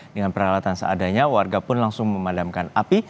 dengan peralatan seadanya warga pun langsung memadamkan api